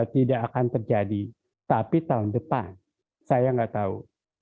tidak akan terjadi tapi tahun depan saya nggak tahu